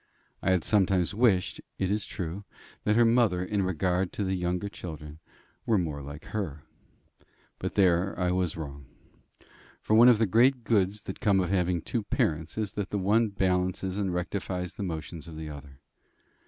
I had sometimes wished, it is true, that her mother, in regard to the younger children, were more like her; but there I was wrong. For one of the great goods that come of having two parents, is that the one balances and rectifies the motions of the other.